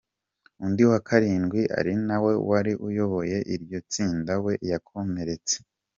Undi wa karindwi ari nawe wari uyoboye iryo tsinda we yakomeretse.